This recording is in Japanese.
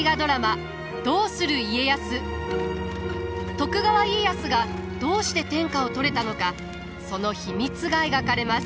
徳川家康がどうして天下を取れたのかその秘密が描かれます。